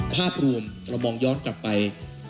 ภาพรวมเรามองย้อนกลับไป